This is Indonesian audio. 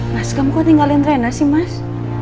mas kamu kok tinggalin trennya sih mas